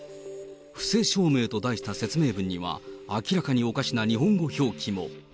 布施証明と題した説明文には、明らかにおかしな日本語表記も。